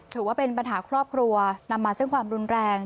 ถือว่าเป็นปัญหาครอบครัวนำมาซึ่งความรุนแรง